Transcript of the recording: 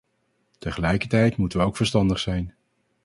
Tegelijkertijd moeten we ook verstandig zijn.